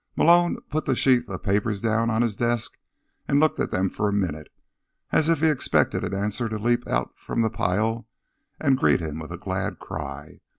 Malone put the sheaf of papers down on his desk and looked at them for a minute as if he expected an answer to leap out from the pile and greet him with a glad cry.